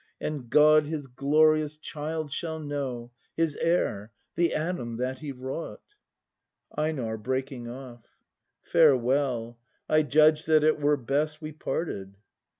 And God His glorious child shall know. His heir, the Adam that He wrought! EiNAR. [Breaking off.] Farewell. I judge that it were best We parted.